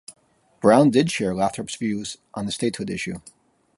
Brown did share Lathrop's views on the statehood issue.